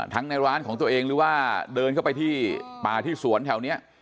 ในร้านของตัวเองหรือว่าเดินเข้าไปที่ป่าที่สวนแถวนี้